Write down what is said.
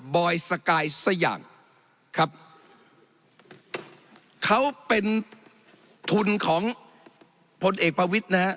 อยสกายสอย่างครับเขาเป็นทุนของพลเอกประวิทย์นะฮะ